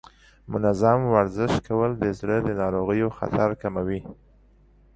منظم ورزش کول د زړه ناروغیو خطر کموي.